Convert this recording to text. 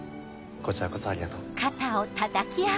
こちらこそありがとう。